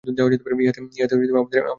ইহাতে আমাদের কিছুই আসিয়া যায় না।